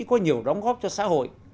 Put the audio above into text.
có nhiều đóng góp cho xã hội